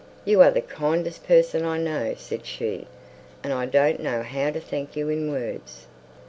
"You are the kindest person I know," said she; "and I don't know how to thank you in words."